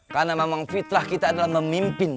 karena memang fitrah kita adalah memimpin